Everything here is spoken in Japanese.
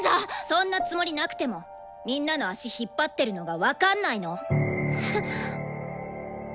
そんなつもりなくてもみんなの足引っ張ってるのが分かんないの？